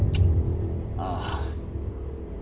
ああ。